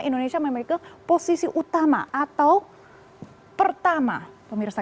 indonesia memiliki posisi utama atau pertama pemirsa